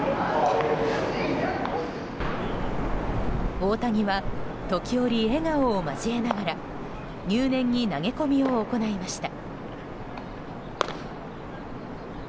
大谷は時折笑顔を交えながら入念に投げ込みを行いました。